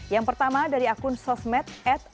yang pertama dari akun sosmed